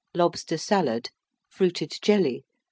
Lobster Salad. Fruited Jelly.